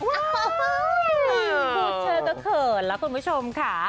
พูดเธอก็เขินแล้วคุณผู้ชมค่ะ